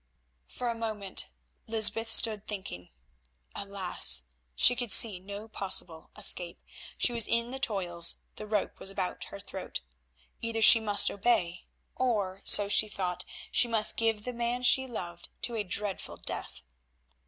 For a moment Lysbeth stood thinking. Alas! she could see no possible escape, she was in the toils, the rope was about her throat. Either she must obey or, so she thought, she must give the man she loved to a dreadful death.